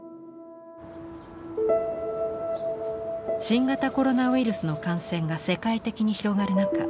新型コロナウイルスの感染が世界的に広がる中